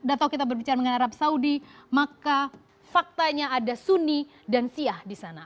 atau kita berbicara mengenai arab saudi maka faktanya ada suni dan siah di sana